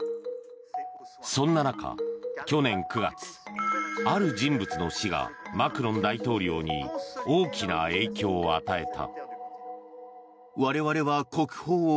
そんな中、去年９月ある人物の死がマクロン大統領に大きな影響を与えた。